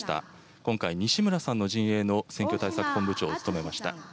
今回、西村さんの陣営の選挙対策本部長を務めました。